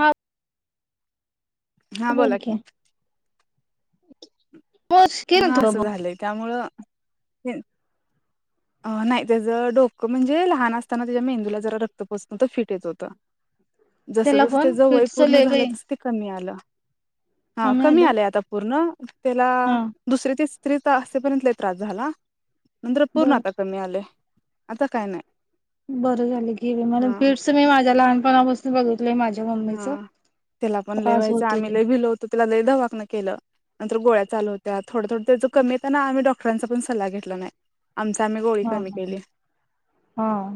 हा हा बोला की. मोज की ना हा थोडं मग झालंय त्यामुळं [unintelligible] अ नाही त्याचं डोकं म्हणजे लहान असताना त्याच्या मेंदूला जरा रक्त पोचत नव्हतं, फिट येत होतं. जस त्याला जसं पण त्याच वय फिटच पूर्ण लय झालं बाई तस ते कमी आलं. हा कमी आलंय आता पूर्ण त्याला हा दुसरे तेच असेपर्यंत लई त्रास झाला. पूर्ण बर आता कमी आलंय. आता काय नाही. बरं झालं गेलं. मला हा फिट्स मी माझ्या लहान पना पासून बगत हा, त्याला पन लय त्रास व्हायचं होतोय आम्ही लय भिलो होतो. त्याला लय दवाखान केल. नंतर गोळ्या चालू होत्या. थोडं थोडं त्याच कमी येतं ना, आम्ही डॉक्टरांचा पन सल्ला घेतला नाय. हा हा हा. हा,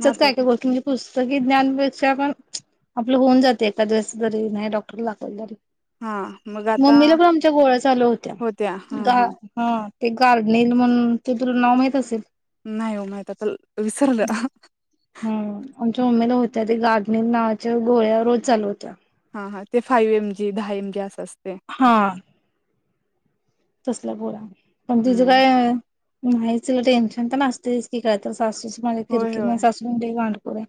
मग आता काय काय गोष्टी म्हनजे पुस्तकी ज्ञान पेक्षा पन चं आपलं होऊन जाते, एखाद दिवस जरी, नाय डॉक्टरला दाखवलं तरी. हा मग आता मम्मीला पण आमच्या गोळ्या चालू होत्या. गा हा ते ग कार्ड नेईल म्हणून ते तुला नाव माहित तसलं न्हाई ओ म्हाईत. आता विसरलं. हम्म आमच्या मम्मीला होत्या ते गार्डनिल नावाच्या गोळ्या रोज चालू होत्या. हा हा ते फायू एम जी, दहा एम जी, अस असत. हा. तसल्या गोळ्या. पण तीच हम्म काय न्हाईच तिला टेन्शन तेन असतइच कीं काय तर सासूची माझ्या किर होय किर, होय माझी सासू पण लई वांड. [unintelligible]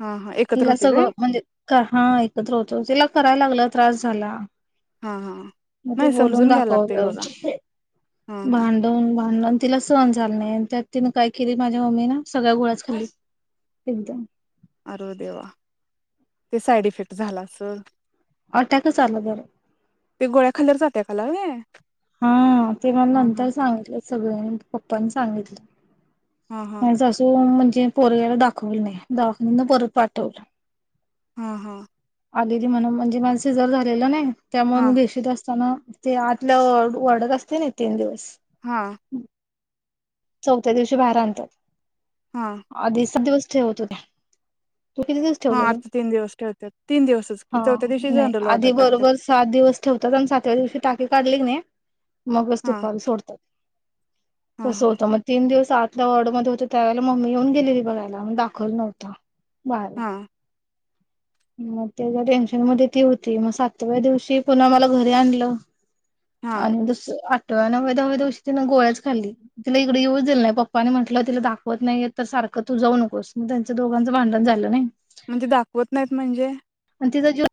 हा हा एकत्र हिला होते काय सगळं, म्हणजे कां हा एकत्र होतो. हिला करायला लागल्यावर त्रास झाला. हा हा नाही समजून घ्याय लागतय बघ. [unintelligible] भांडण भांडण तिला सहन झालं नाही. त्यात तीन काय केली माझ्या मम्मीन, सगळ्या गोळ्यांचं खाल्ली एकदम. अर देवा! ते साईड इफेक्ट झाला असल? अटॅकच आला तर. ते गोळ्या खाल्ल्यावरच अटॅक आला व्हय? हा तीन हा हा नंतर सांगितल सगळ्यांनी पप्पान सांगितलं. हा [unintelligible] हा तीन पोरग्याला दाखवलं नाही दवाखान्यातन परत पाठवलं. हा. हा. आलेली म्हणून म्हंजे माझं शिझर झालेलं नाय! त्यामुळं मी हा बेशुद असताना ते आतल वाढू -वाढत असतय नई तीन दिवस. हा. चौथ्या दिवशी बाहेर आणतात हा अदीस दिवस जेवत होत्या तू किती दिवस हा ठेवलेल आता तीन दिवस ठेवतात तीन दिवसच [inaudible] की हा चौथ्या दिवशी नाही जनरल ऑर्डर आधी टाकतात बरोबर सात दिवस ठेवतात आणि सातव्या दिवशी टाकीे काढली कणी मगच हा तुपाल सोडत्यात हा हा तीन दिवस आतल्या वॉर्ड मध्ये होते त्यावेळेला मम्मी येऊन गेलेली बघायला मग दाखवल नव्हत बाळाला हा म त्याच्या टेन्शन मध्ये ती होती मग सातव्या दिवशी पुन्हा मला घरी आणलं हा आणि दुस - त नव्व्या दहाव्या दिवशी तनं गोल्याच खाल्ली तिला इकडे येऊ जाईल नाही पप्पाने म्हटलं तिला दाखवत नाहीय तर सारखं तू जाऊ नकोस मग त्यांचं दोघांचं भांडण झालं नाही म्हणजे दाखवत नाहीत म्हणजे आणि तिचा जीव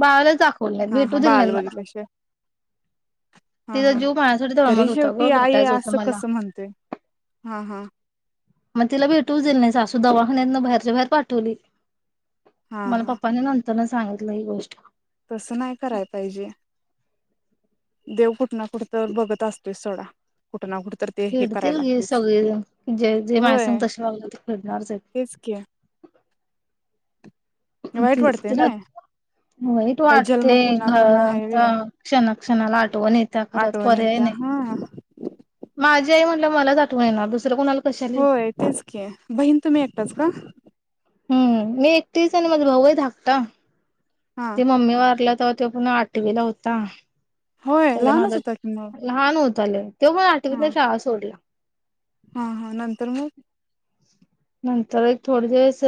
बाळाला [unintelligible] खोल नई हा भेटू हा दिल नाही बाळाला मला बघितल्याशिवाय हा तिचा हा जीव माझ्यासाठी तरी तळमत होता शेवटी ग आई भेटायचं होतं असं मला. कसं म्हणतेय हा हा मग तिला भेटू च दिलं नाही सासू दवाखान्यात ना बाहेरच्या बाहेर पाठवली हा हा नंतर न सांगितलं ही गोष्ट तसं नाही कराय पाहिजे देव कुठ ना कुठतं बघत असतोस सोडा कुठ ना कुठत फेडतील घे सगळी जन जे जे माझ्या सग होय तसे वागल्यात फेडणारच तेच की हाईत वाईट तिच वाटते तिला ना वाईट काही जन्म वाटते पुन्हा घ पुन्हा हायवे आता क्षणाक्षणाला आठवण येत खर आठवण पर्याय येत्या नाही हा माझी आई म्हटलं मलाच आठव येणार दुसरं कोणाला कशाला येईल. होय तेच की बहीण तुम्ही एकटच का हम्म मी एकटीच आणि माझा भाऊही धाकटा हा ते मम्मी वारल्या तेव्हा पुन्हा आठवीला होता होय, त्याच्या लहानच नादात होता कि मग [unintelligible] तो पण हा आठवीतनं शाळा सोडला. हा हा नंतर मग नंतर एक थोडं दिवस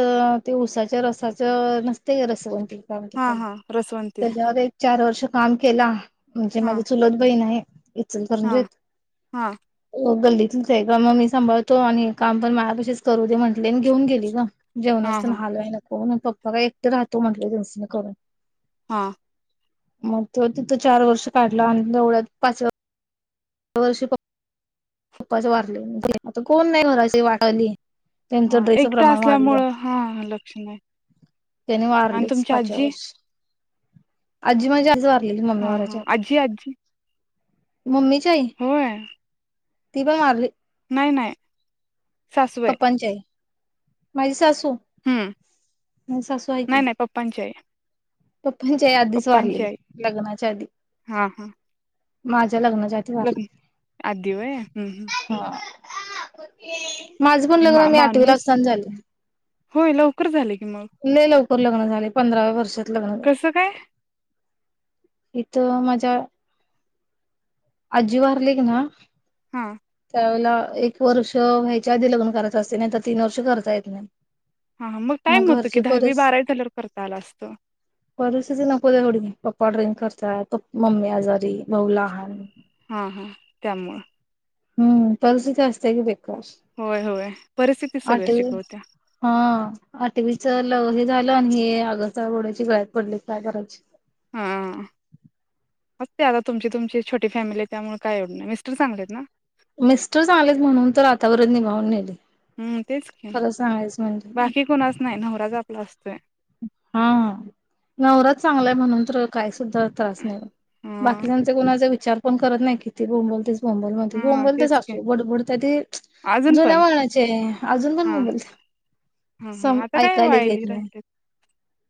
ते ऊसाच्या रसाच नसके, का रसवंत हा हा रसवंती त्याच्यावर एक, चार वर्ष काम केला. म्हणजे, हा हा माझी चुलत बहीण आहे. हा इचलकरंजीत हा [unintelligible] गल्लीत [unintelligible] मग मी सांभाळतो आणि काम पण माझ्यापाशी करु दे म्हटले, घेऊन गेली गं. हा जेवणाचे तेन हाल व्हाय, नको. हो, ना पप्पा काय एकटे राहतो, म्हटल्या तेनच तेनी करून. हा मग तो तिथं चार वर्ष काढला, आणि तेवढ्या पाच व ह्या वर्षी पप्पा पपाचं वारले म्हणजे, आता कोण नाही, [unintelligible] हा त्यांचं ड्रेसचं एकटा प्रमाण वाढलं असल्यामुळं हा लक्ष नाही, त्याने आणि वारलेच तुमची पाचव्या आजी वर्षी आजी म्हणजे, आज हा हा अजी आजी मम्मीची आई होय ती पण वारली. नाय नाय पप्पांची आई माझी सासू हम माझी सासू आहे की नाही नाही पप्पाांची आई पप्पांची आई आधीच, पप्पांची वारलेली आई लग्नाच्या आधी. हा हा माझं लग्नाच्या आधी वारली लग्न आधी होय हम्म हम्म हं [unintelligible] माझं पण मा लग्न मी आठवीला माणूस असताना झालयं, होय लवकर झाले की मग लय लवकर. लवकर लग्न झालय पंधराव्या वर्षात लग्न झाले कसं काय? इथं माझ्या आजी वारली की, ना हां. एक वर्ष व्हायच्या आधी लग्न करायचं असतंय. नाही तर तीन वर्ष करता येत नाही. हा हा टाइम मग होतो की घरची दहावी परिस बारावी झाल्यावर करता आला असतं परिस्थिती नको तेवढी पप्पा ड्रिंक - - करताय. मम्मी आजारी. भाऊ लहान. हा हा त्यामुळं हम्म परिस्थिती असत्या कि बाई होय होय परिस्थिती सगळं आठवी शिकवत्या हा आठवी च ल हे झालं आणि हे आगस्त बोड्याची गळ्यात पडली काय करायचं. हम् हात्ते आता तुमची तुमची छोटी फॅमिली आहे त्यामुळे काय एवढ नाही. मिस्टर चांगले आहेत ना? मिस्टर चांगलेत म्हणून तर आतापर्यंत निभावून नेलं. हम. तेच कि बाकी कुणाच नाय नवराच आप - बास- - हा हा नवरा चांगलाय म्हणून तर काय सुद्धा त्रास नाही बघ हा बाकीच्यांचा कुणाचा विचार पण करत नाही - - किती बोंबलतेस - - बोंबल म्हणतोयं हा बोंबलत्या तेच की सासु बडबडत्या ती अजून जुन्या पण वळणाची आजुन पण हा बोंबलत्या हा हा संम आता काय ऐकायला वायली गेतलय - - राहिलेत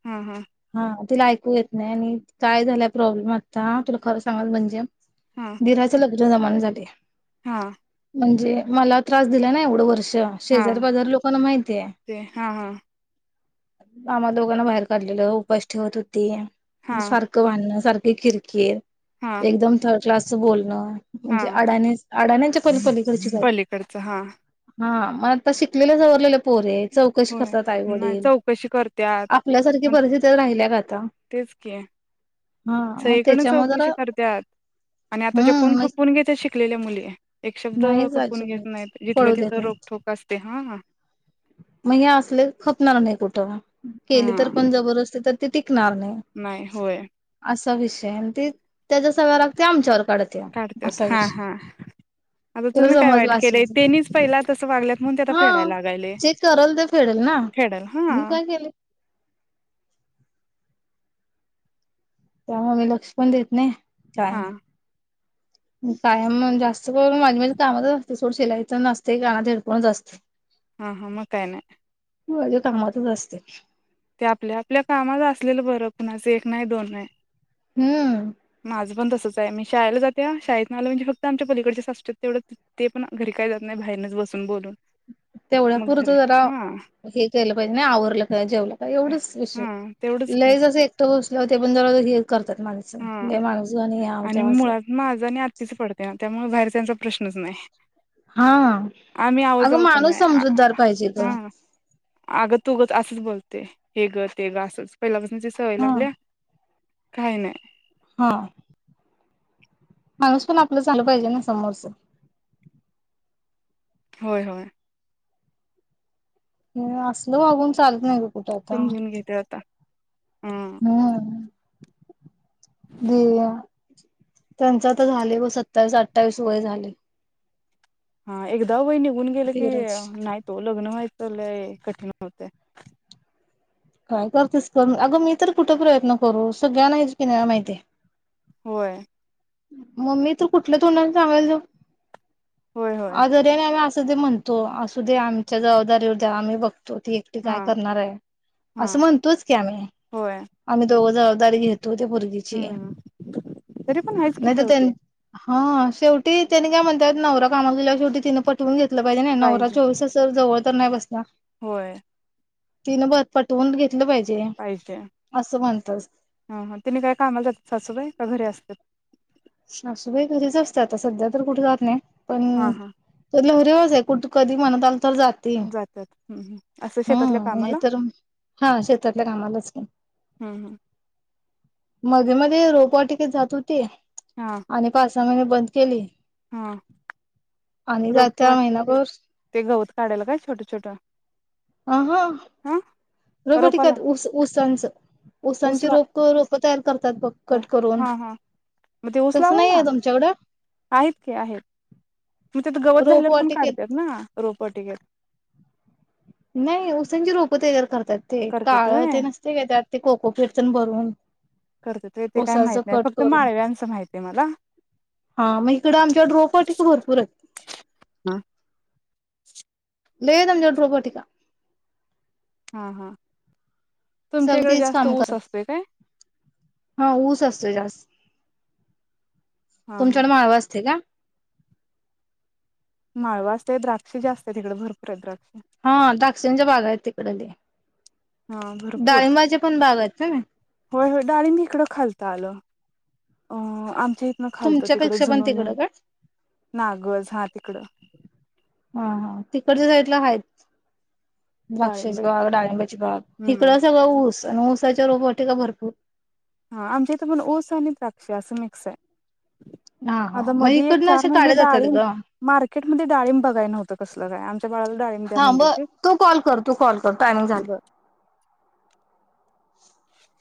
हा हा. हा तिला ऐकू येत नाही आणि काय झालंय प्रॉब्लेम आत्ता तुला खर सांगायचं म्हणजे हा दिराच लग्न तुझ्या जमान्यासाठी हा. म्हणजे मला त्रास दिला ना एवढं वर्ष - - तेव्हा हा शेजारी पाजारी लोकांना माहितीयं. ते हा हा आम्हा दोघांना बाहेर काढली. मुलं उपाशी ठेवत होती. हा सारख भांडण सार खी किरकिर - हा - एकदम थड क्लासच बोलणं. म्हणजे अडाणीच अडाण्याच्या पण पली - - पलीकडच हा. हा म आता शिकलेल्या सवरलेल्या पोरी हाईत. चौकशी होय कसतात नाही आईवडील चौकशी करत्यात आपल्यासारख ती मग परिथिती राहिल्या का आता? हा मग सगळीकडण त्याच्यामुळे जरा चौकशी करत्यात आणि आताच्या कोण हम्म खपवुन घेत्यात शिकलेल्या मुली एक शब्द नाहीच खपवुन घेत अजिबात नाइत. जिथल्या तिथ रोकठोक अस - - ते हा हा मये असले खपणार नाय कुठ केली तर पण जबरदस्ती तर ते ती नाय होय चा विषय आन ते त्याजा सगळा राग ते आमच्यावर काढत्या काढत्यात असा हा विषय. हा आता तुला तुम्ही काय समजला वाईट असेल केलंय तर तेनीच पहिला तस वागल्यात म्हणून ते आता फेडायला लागायलेय चेक कराल तर फेडल ना मी काय केले त्यामुळ मी लक्ष पण देत नाही. काय हा नाही. कायम जास्त वेळ माझ्या माझ्या कामातच असते सोड शिलाई पण असते कानात हेडफोन असते. हम्म हम्म म काय नाई. माझ्या कामातच असते. ते आपल्या आपल्या कामात असलेलं बरं कुणाचं एक नाही दोन नाही. हम्म माझं पण तसंच आहे मी शाळेला जाते शाळेतन आलं की फक्त आमच्या पलीकडचे सासू तेवढ ते पण घरी काही जात नाही बाहेरच बसून बोलून तेवढ्या मग घरी पुरतं जरा हा हे केलं पाहिजे नाही आवरलं काय जेवलं एवढच विषय हा तेवढंच की लय जंस एकटं बसल होते पण जवळजवळ फ्री आहे. हा आणि त्याव असं मुळात माझ आणि अतीच पडते ना त्यामुळे बाहेर त्यांचा प्रश्नच नाही. हा आम्ही अगं आवजाव पण माणूस नाही समजूतदार पाहिजे ग असच बोलते हे ग ते ग असच पहिल्यापास म्हणजे सवय हा लागल्या. काही नाही. हा. माणूस पण आपलं चालू पाहिजे ना समोरच होय होय. असल वागून चालत नाही ग. उठता समजून घेते आता हा हम्म त्यांच आता झाले बघ सत्तावीस अठ्ठावीस वय झाले. हा एक एकदा वय निघून गेल की धीरज नाही होत लग्न व्हायचं तर लई कठीण होते. काय करतेस कर अगं मी तर कुठं प्रयत्न करू सगळ्यांना आहेच की नाही माहिती होय. मम्मी तू कुठल्या तोंडने सांगायला जाऊ. होय होय अगं अस तसे ते म्हणतो असू दे आमच्या जबाबदारीवर आम्ही बघतो. तो ती एकटी हा काय करणार आहे हा असं म्हणतोच की आम्ही होय आम्ही दोघजण दर घेईन. तु त्या पोरगीची हम्म तरी पण आहेच की नाही तर त्यां शेवटी हा शेवटी त्याने काय म्हणत्यात नवरा कामावर गेल्यावर शेवटी तिने पटवून घेत. तुला पाहिजे नही नवरा चोवीस तास जवळच. तर नाही बसला. होय. तीन बघ पटवून घेतल. पाहिजे हा हा तीनी काय कामाला जातात सासूबाई का घरी असत्यात. सासूबाई घरीच असता आता सध्या तर कुठे जात नाही. पण हा हा त्या वस आहे कुठ कध म्हणत आ [inaudible] तर जाते जातात हम्म हम्म असं शेतातल्या हम् कामाला नाहीतर हा शेतातल्या कामालाच की. हम्म हम्म मध्ये मध्ये रोपवाटिकेत जात होती. हा आणि पास. सा महिने बंद केली. हा आणि रोप जात्या वाटते महिनाभर तेते गवत काढाल काय छोट छोट हा रोपाला रोबोटिकात ऊस ऊसांच. उसला कट करून हा हा मग ते उसलाव तसं नाही ना आहे तुमच्याकडं आहेत. की आहेत मग त्याथ गवत झालं तर पण रोपवाटिकेत कडत्यत ना रोपवाटिकेत. नाही उसांची रोप तयार कर. त्यात ते करत्यात काळं व्हय ते नसते काय त्यात ते कोकोफिरचण भरून करत्यात व्हय ते काय ऊसाच माहित नाही कट फक्त करून माळव्यांचं माहित आहे मला हा मग इकडं आमच्या रोपवाटिका भरपूर आहेत. हम लई हायत आमच्याकड रोपवाटका. हा हा तुमच्या सगळी इकडे तीच जास्त काम ऊस असतोय काय करतीत हा ऊस असतो जास्त. हा तुमच्या हा कड माळव असतय काय. माळव असतय द्राक्ष जास्त आहेत हीकडे भरपूर द्राक्ष बरले [inaudible] हा भरपूर आहेत का नाही होय होय डाळीब मी इकडं खालत आलं. अ आम. च्य हितंन खालत तिकडं तुमच्यापेक्षा पण जुनोनी तिकडं काय नागस हा तिकडं. च्य साईट ला हाय डाळिंब द्राक्षाची आहेत बाग डाळिंबाची बाग हम्म हिकडं सगळं ऊस प उसाच्या रोप वाटिका आहे का भरपूर हा आमच्या इथ पण ऊस आणि द्राक्ष अस मिक्स आहे हा हा आता मग मधी एक इकडनं चार अशा महिने काढ्या जातात डाळीम ग मार्केटमध्ये डालिंब बघाय नव्हत कसल काय आमच्या बाळाला डाळिंब द्या थांब म्हणते हं ते तू कॉल कर तू कॉल कर टायमिंग झालं. बर [inaudible]